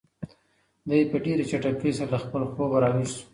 دی په ډېرې چټکۍ سره له خپل خوبه را ویښ شو.